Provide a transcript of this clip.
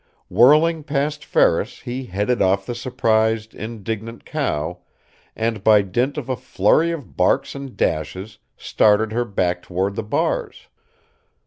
Whirling past Ferris he headed off the surprised, indignant cow, and by dint of a flurry of barks and dashes started her back toward the bars.